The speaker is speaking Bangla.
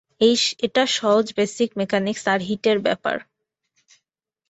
এটা সহজ বেসিক মেকানিকস আর হিট এর ব্যাপার।